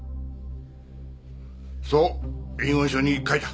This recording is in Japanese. そう遺言書に書いた。